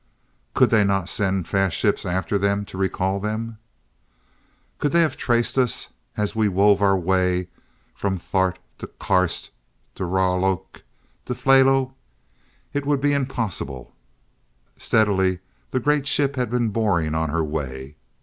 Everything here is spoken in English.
"Could they not send fast ships after them to recall them?" "Could they have traced us as we wove our way from Thart to Karst to Raloork to Phahlo? It would be impossible." Steadily the great ship had been boring on her way.